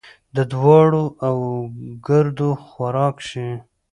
د دوړو او ګردو خوراک شي .